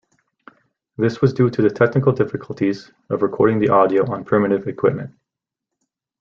This was due to technical difficulties of recording the audio on primitive equipment.